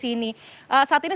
saat ini saya sedang berbicara